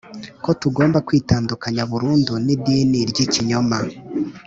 ko tugomba kwitandukanya burundu n idini ry ikinyoma